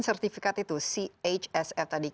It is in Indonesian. sertifikat itu chsf tadi